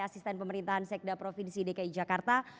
asisten pemerintahan sekda provinsi dki jakarta